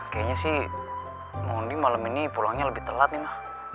kayaknya sih mondi malem ini pulangnya lebih telat nih ma